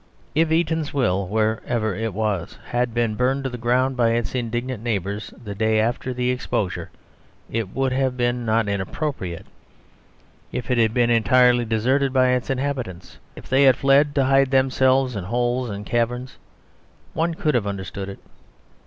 If Eatanswill, wherever it was, had been burned to the ground by its indignant neighbours the day after the exposure, it would have been not inappropriate. If it had been entirely deserted by its inhabitants, if they had fled to hide themselves in holes and caverns, one could have understood it.